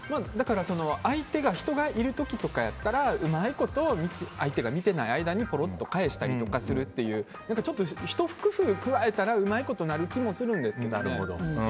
相手がいる時とかやったらうまいこと相手が見てない間にポロンと返したりするっていうひと工夫加えたらうまいことなる気もするんです。